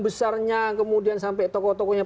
besarnya kemudian sampai tokoh tokoh yang